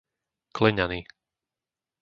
Kleňany